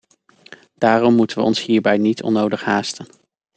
Daarom moeten we ons hierbij niet onnodig haasten.